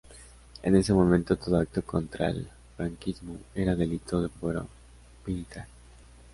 En ese momento, todo acto contra el franquismo era delito de fuero militar.